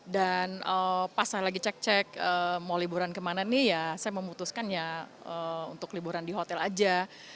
dan pas saya lagi cek cek mau liburan kemana nih saya memutuskan untuk liburan di hotel saja